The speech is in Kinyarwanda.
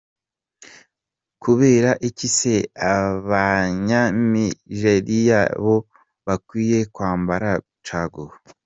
Kubera iki se Abanyanijeriya bo bakwiye kwambara caguwa ?